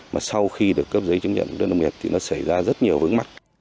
mà sau khi được cấp giấy chứng nhận đất nông nghiệp thì nó xảy ra rất nhiều vững mắc